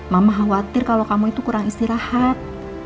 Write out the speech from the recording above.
mama khawatir kalau kamu itu kurang istirahat